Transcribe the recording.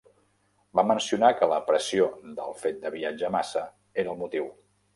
Va mencionar que la pressió del fet de viatjar massa era el motiu.